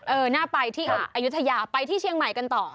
น่าไปที่อายุทยาไปที่เชียงใหม่กันต่อ